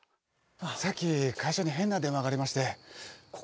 さっき会社に変な電話がありまして。